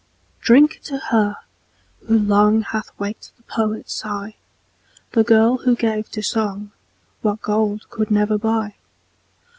Drink to her, who long, Hath waked the poet's sigh. The girl, who gave to song What gold could never buy.